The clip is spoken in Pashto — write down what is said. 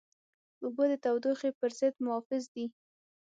اوبه د تودوخې پر ضد محافظ دي.